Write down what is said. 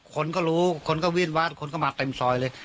คนก็รู้คนก็วิ่นวาดคนก็มาเต็มซอยเลย